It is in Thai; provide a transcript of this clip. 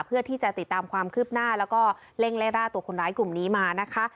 เพื่อที่จะติดตามความคืบหน้าแล้วก็เร่งไล่ล่าตัวคนร้ายกลุ่มนี้มานะคะ